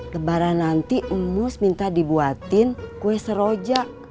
lebaran nanti emus minta dibuatin kue seroja